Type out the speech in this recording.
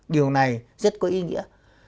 điều này rất có ý nghĩa